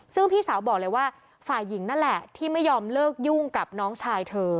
ซึ่งพี่สาวบอกเลยว่าฝ่ายหญิงนั่นแหละที่ไม่ยอมเลิกยุ่งกับน้องชายเธอ